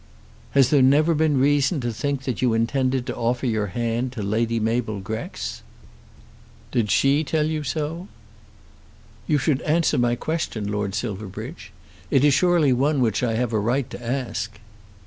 "Has there never been reason to think that you intended to offer your hand to Lady Mabel Grex?" "Did she tell you so?" "You should answer my question, Lord Silverbridge. It is surely one which I have a right to ask."